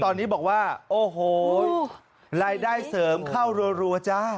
ตอนนี้บอกว่าโอ้โหรายได้เสริมเข้ารัวจ้า